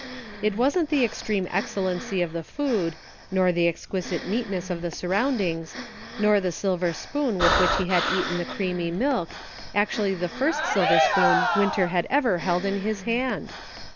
It wasn't the extreme excellency of the food, nor the exquisite neatness of the surround ings, nor the silver spoon with which he had eaten the creamy milk, actually the first silver spoon Winter had ever held in his hand